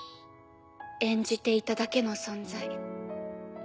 演じていただけの存在。